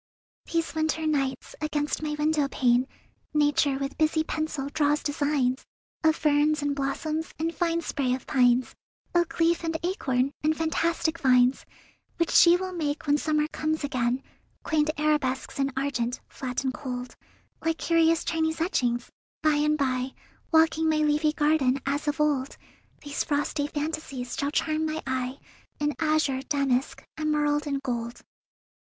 These winter nights, against my window pane Nature with busy pencil draws designs Of ferns and blossoms and fine spray of pines, Oak leaf and acorn and fantastic vines, Which she will make when summer comes again— Quaint arabesques in argent, flat and cold, Like curious Chinese etchings.... By and by, Walking my leafy garden as of old, These frosty fantasies shall charm my eye In azure, damask, emerald, and gold.